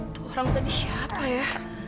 itu orang tadi siapa ya